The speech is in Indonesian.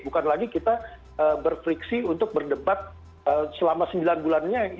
bukan lagi kita berfriksi untuk berdebat selama sembilan bulannya